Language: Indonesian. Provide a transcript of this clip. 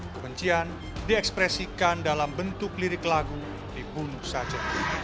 kebencian diekspresikan dalam bentuk lirik lagu dibunuh saja